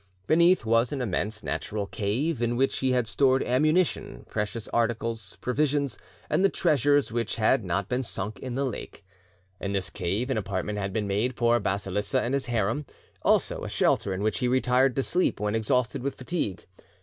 Beneath was an immense natural cave, in which he had stored ammunition, precious articles, provisions, and the treasures which had not been sunk in the lake. In this cave an apartment had been made for Basilissa and his harem, also a shelter in which he retired to sleep when exhausted with fatigue.